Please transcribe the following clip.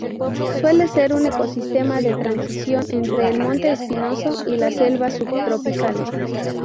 Suele ser un ecosistema de transición entre el monte espinoso y la selva subtropical.